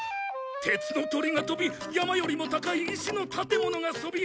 鉄の鳥が飛び山よりも高い石の建物がそびえ。